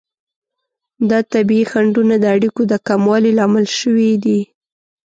دا طبیعي خنډونه د اړیکو د کموالي لامل شوي دي.